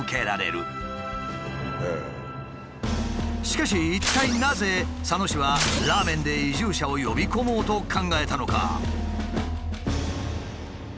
しかし一体なぜ佐野市はラーメンで移住者を呼び込もうと考えたのか？